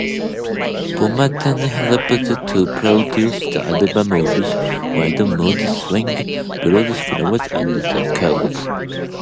Bamonte helped to produce the albums "Wish", "Wild Mood Swings", "Bloodflowers", and "The Cure".